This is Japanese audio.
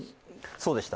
そうでした